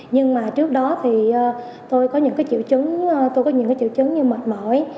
nhưng mà trước đó thì tôi có những triệu chứng như mệt mỏi